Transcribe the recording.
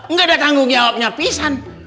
nggak ada tanggung jawabnya pisan